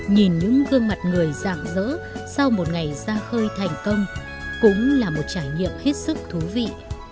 nhìn những gương mặt người dạng dỡ sau một ngày ra khơi thành công cũng là một trải nghiệm hết sức thú vị